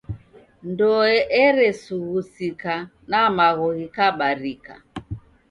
Ndoe eresughusika, na magho ghikabarika.